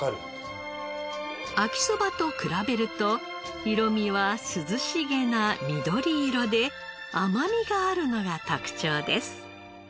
秋そばと比べると色味は涼しげな緑色で甘みがあるのが特徴です。